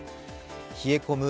冷え込む